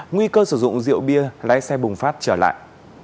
nguy cơ sử dụng rượu bia lái xe bùng phát trở lại